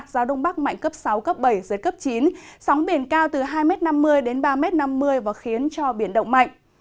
gió đông bắc mạnh cấp sáu cấp bảy giới cấp chín sóng biển cao từ hai năm mươi đến ba năm mươi và khiến cho biển động mạnh